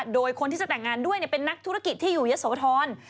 โดยคนที่จะแต่งงานด้วยเป็นนักธุรกิจที่อยู่เยอะโสธร